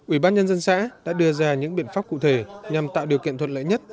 ủy ban nhân dân xã đã đưa ra những biện pháp cụ thể nhằm tạo điều kiện thuận lợi nhất